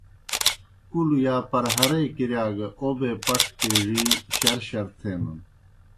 کُلوْ یا پرہارے کِرِیا گہ اوبے پٹھہ پیڙِی شَر شَر تھینَن۔